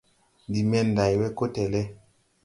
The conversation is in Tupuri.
Ndi men nday wee ko télé.